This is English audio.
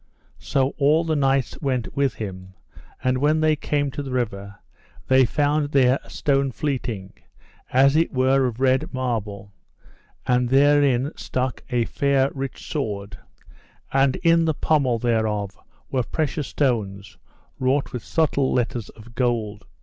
So all the knights went with him, and when they came to the river they found there a stone fleeting, as it were of red marble, and therein stuck a fair rich sword, and in the pommel thereof were precious stones wrought with subtle letters of gold.